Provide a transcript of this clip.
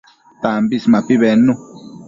Tambis mapi bednu